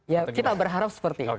ya kita berharap seperti itu